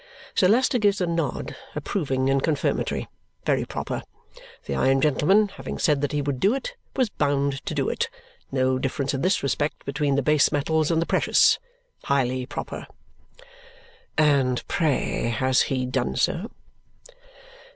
Sir Leicester gives a nod, approving and confirmatory. Very proper. The iron gentleman, having said that he would do it, was bound to do it. No difference in this respect between the base metals and the precious. Highly proper. "And pray has he done so?"